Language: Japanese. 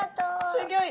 すギョい！